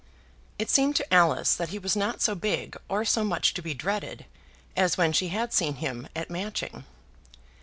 It seemed to Alice that he was not so big or so much to be dreaded as when she had seen him at Matching.